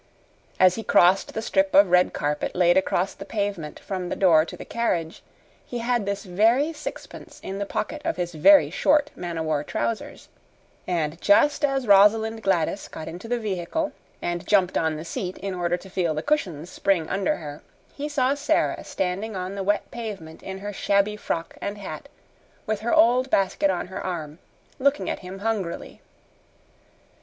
As he crossed the strip of red carpet laid across the pavement from the door to the carriage, he had this very sixpence in the pocket of his very short man o war trousers; And just as Rosalind Gladys got into the vehicle and jumped on the seat in order to feel the cushions spring under her, he saw Sara standing on the wet pavement in her shabby frock and hat, with her old basket on her arm, looking at him hungrily.